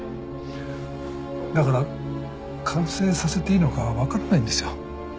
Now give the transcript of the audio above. だから完成させていいのか分からないんですよ。